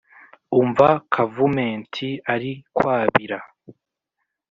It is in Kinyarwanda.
Umva Kavumenti ari kwabira